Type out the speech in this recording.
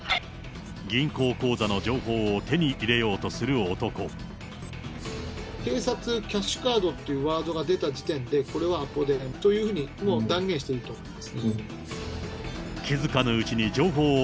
銀行口座の情報を手に入れよ警察、キャッシュカードというワードが出た時点で、これはアポ電というふうに、もう断言していいと思います。